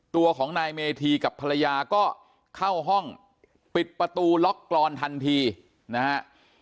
ตัวของนายเมธีกับภรรยาก็เข้าห้องปิดประตูล็อกกรอนทันทีนะฮะ